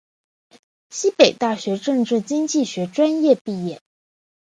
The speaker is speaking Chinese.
西北大学政治经济学专业毕业。